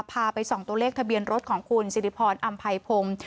ไปส่องตัวเลขทะเบียนรถของคุณสิริพรอำไพพงศ์